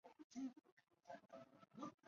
大杜若为鸭跖草科杜若属的植物。